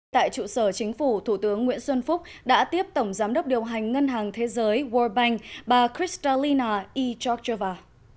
tại trụ sở chính phủ thủ tướng nguyễn xuân phúc đã tiếp tổng giám đốc điều hành ngân hàng thế giới world bank bà kristalina icheva